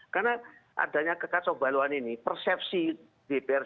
karena adanya kekasobaluan ini persepsi dprd